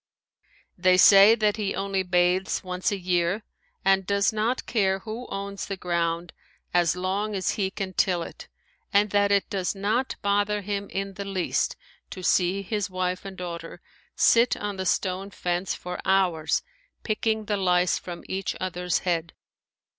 They say that he only bathes once a year and does not care who owns the ground as long as he can till it, and that it does not bother him in the least to see his wife and daughter sit on the stone fence for hours picking the lice from each other's head.